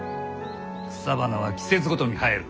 草花は季節ごとに生える。